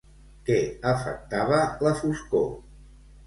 Què afectava, la foscor?